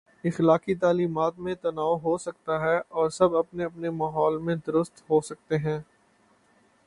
اخلاقی تعلیمات میں تنوع ہو سکتا ہے اور سب اپنے اپنے ماحول میں درست ہو سکتے ہیں۔